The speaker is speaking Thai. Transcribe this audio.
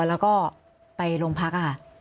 แล้วก็ไปลงพัก